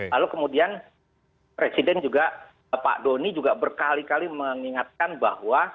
lalu kemudian presiden juga pak doni juga berkali kali mengingatkan bahwa